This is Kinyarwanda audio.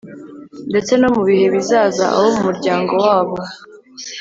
ndetse no mu bihe bizaza, abo mu muryango wabo